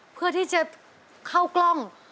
เพื่อที่จะเข้ากล้อง